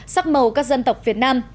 sắc màu các dân tộc việt nam